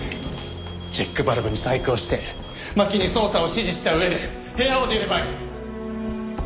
チェックバルブに細工をして真希に操作を指示した上で部屋を出ればいい。